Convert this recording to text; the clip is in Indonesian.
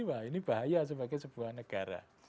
wah ini bahaya sebagai sebuah negara